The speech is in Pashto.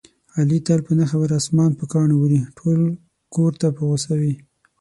علي تل په نه خبره اسمان په کاڼو ولي، ټول کورته په غوسه وي.